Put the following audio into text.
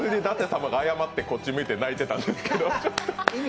舘様が謝って、こっち見て泣いたたんですけど。